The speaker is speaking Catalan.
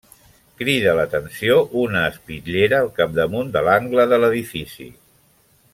Crida l'atenció una espitllera al capdamunt de l'angle de l'edifici.